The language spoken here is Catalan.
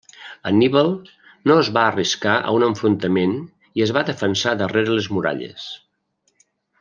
Anníbal no es va arriscar a un enfrontament i es va defensar darrere les muralles.